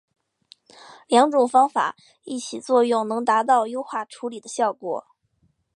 两种方法一起作用能达到优化处理的效果。